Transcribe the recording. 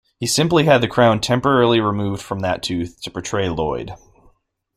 He simply had the crown temporarily removed from that tooth to portray Lloyd.